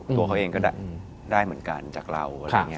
ตัวเขาเองก็ได้เหมือนกันจากเรา